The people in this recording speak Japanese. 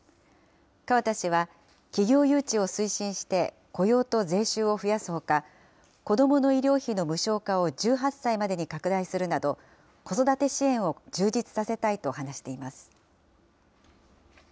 河田氏は企業誘致を推進して、雇用と税収を増やすほか、子どもの医療費の無償化を１８歳までに拡大するなど、子育て支援を充実させたいと話しています。